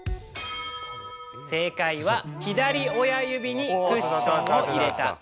正解は、左親指にクッションを入れた。